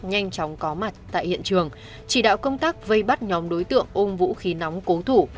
nhanh chóng có mặt tại hiện trường chỉ đạo công tác vây bắt nhóm đối tượng ôm vũ khí nóng cố thủ